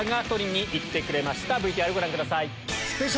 ＶＴＲご覧ください。